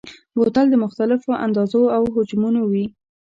بوتل د مختلفو اندازو او حجمونو وي.